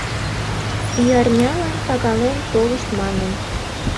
Ӱярнялан пагален толышт манын.